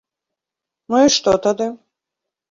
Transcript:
Ну і што тады?